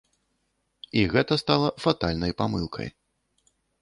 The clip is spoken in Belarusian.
І гэта стала фатальнай памылкай.